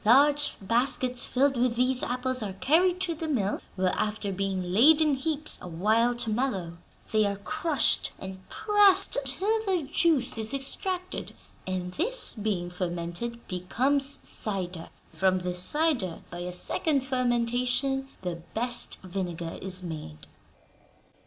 Large baskets filled with these apples are carried to the mill, where, after being laid in heaps a while to mellow, they are crushed and pressed till their juice is extracted; and this, being fermented, becomes cider. From this cider, by a second fermentation, the best vinegar is made."